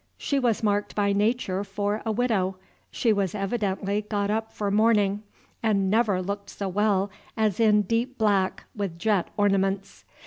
She was marked by Nature for a widow. She was evidently got up for mourning, and never looked so well as in deep black, with jet ornaments.